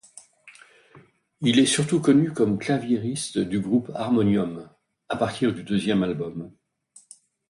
Il est surtout connu comme claviériste du groupe Harmonium à partir du deuxième album.